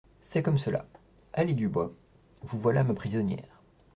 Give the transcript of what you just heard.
C'est comme cela. — Allez, Dubois. — Vous voilà ma prisonnière.